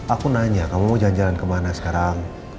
aku nanya kamu mau jalan jalan kemana sekarang